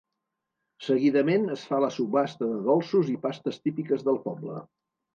Seguidament es fa la subhasta de dolços i pastes típiques del poble.